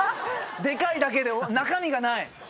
デカいだけで中身がない。